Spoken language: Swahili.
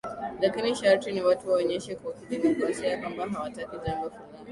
lakini sharti ni watu waonyeshe kwa kidemokrasia ya kwamba hawataki jambo fulani